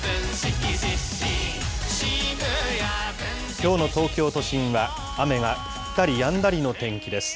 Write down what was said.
きょうの東京都心は、雨が降ったりやんだりの天気です。